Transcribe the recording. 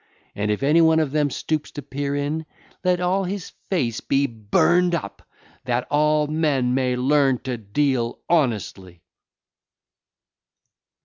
And if anyone of them stoops to peer in, let all his face be burned up, that all men may learn to deal honestly.